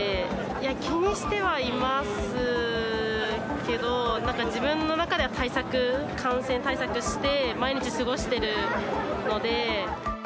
いや、気にしてはいますけど、なんか自分の中では対策、感染対策して毎日過ごしてるので。